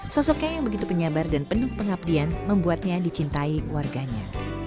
sosoknya yang begitu penyabar dan penuh pengabdian membuatnya dicintai warganya